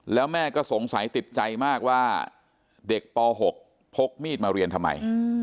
แล้วแม่ก็สงสัยติดใจมากว่าเด็กป๖พกมีดมาเรียนทำไม